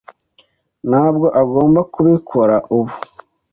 ntabwo agomba kubikora ubu.